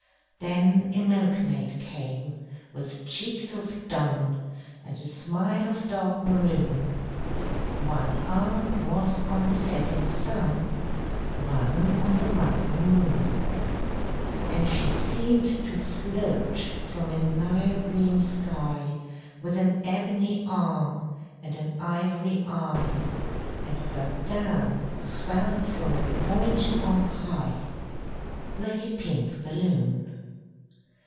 Then a milkmaid came with cheeks of dun And a smile of dark maroon, One arm was on the setting sun, One on the rising moon. And she seemed to float from a Nile green sky, With an ebony arm and an ivory eye, And her gown swelled from a point on high, Like a pink balloon.